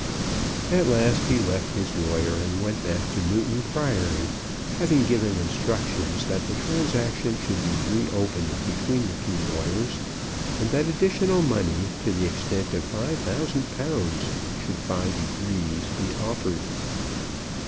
At last he left his lawyer, and went back to Newton Priory, having given instructions that the transaction should be re opened between the two lawyers, and that additional money, to the extent of £5,000, should by degrees be offered.